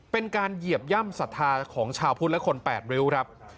เป็นการเหยียบย่ำศรัทธาของชาวพุทธและคนแปดริ้วครับ